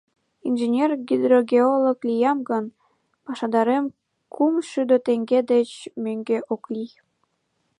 Инженер-гидрогеолог лиям гын, пашадарем кум шӱдӧ теҥге деч мӧҥгӧ ок лий.